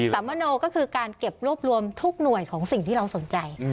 สามมโนก็คือการเก็บรวบรวมทุกหน่วยของสิ่งที่เราสนใจ